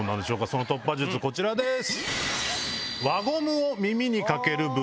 その突破術こちらです。